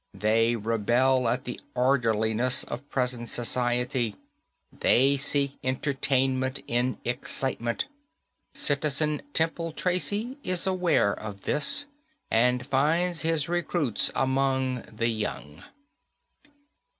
They rebel at the orderliness of present society. They seek entertainment in excitement. Citizen Temple Tracy is aware of this and finds his recruits among the young."